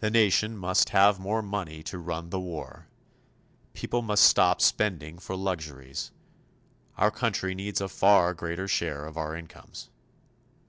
The nation must have more money to run the war. People must stop spending for luxuries. Our country needs a far greater share of our incomes.